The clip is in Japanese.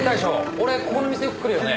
俺ここの店よく来るよね。